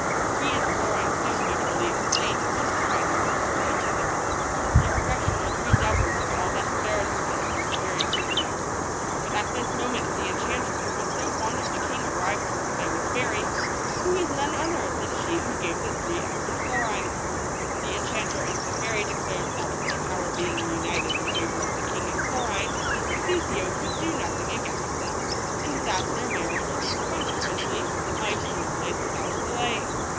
He and Florine soon mutually explained and justified themselves to each other. Their affection was redoubled and all that embarrassed them was the fairy Soussio. But at this moment the enchanter who was so fond of the king ar rived with a famous fairy, who was none other than she who gave the three eggs to Florine. The enchanter and the fairy declared that their power being united in favor of the king and Florine, Soussio could do nothing against them, and that their marriage, consequently, might take place without delay.